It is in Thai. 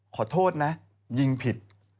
ขอโทษนะยิงผิด